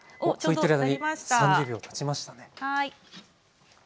そう言ってる間に３０秒たちましたね。